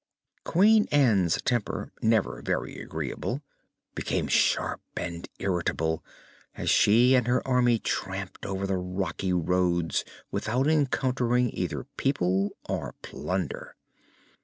Queen Ann's temper, never very agreeable, became sharp and irritable as she and her army tramped over the rocky roads without encountering either people or plunder.